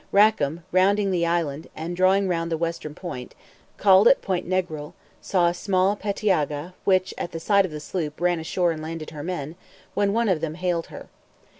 Rackam, rounding the island, and drawing round the western point, called Point Negril, saw a small pettiaga, which, at the sight of the sloop, ran ashore and landed her men, when one of them hailed her.